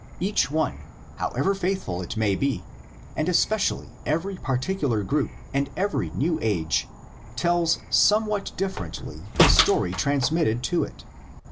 Each one, how ever faithful it may be, and especially every partic ular group and every new age, tells somewhat differently the story transmitted to it.